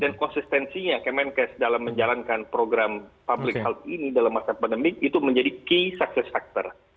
dan konsistensinya mnkes dalam menjalankan program public health ini dalam masa pandemi itu menjadi key success factor